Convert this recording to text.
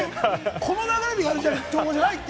この流れでやる情報じゃないって。